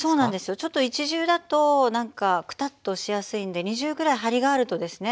ちょっと一重だとなんかくたっとしやすいんで二重ぐらいはりがあるとですね